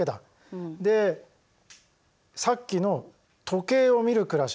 でさっきの時計を見る暮らし